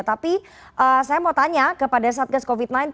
tapi saya mau tanya kepada satgas covid sembilan belas